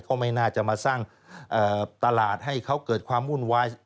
ก็ไม่น่าจะมาสร้างตลาดให้เขาเกิดความวุ่นวาย